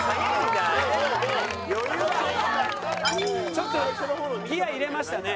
ちょっとギア入れましたね。